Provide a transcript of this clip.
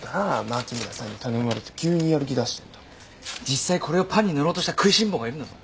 実際これをパンに塗ろうとした食いしん坊がいるんだぞ。